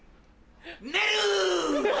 寝る。